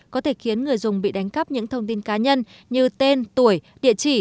có thể khiến người dùng bị đánh cắp những thông tin cá nhân như tên tuổi địa chỉ